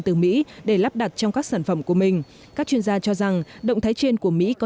từ mỹ để lắp đặt trong các sản phẩm của mình các chuyên gia cho rằng động thái trên của mỹ có